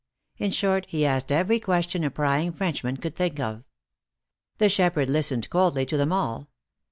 In short, he asked every question a prying Frenchman could think of. The shepherd listened coldly to them all.